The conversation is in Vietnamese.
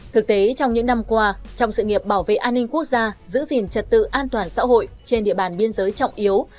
thực tế trong những năm qua trong sự nghiệp bảo vệ an ninh quốc gia giữ gìn trật tự an toàn xã hội trên địa bàn biên giới trọng yếu